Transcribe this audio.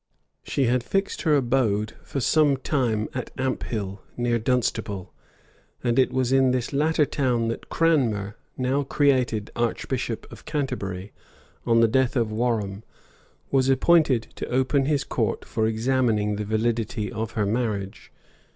She had fixed her abode for some time at Amphill, near Dunstable; and it was in this latter town that Cranmer, now created archbishop of Canterbury, on the death of Warham,[] was appointed to open his court for examining the validity of her marriage.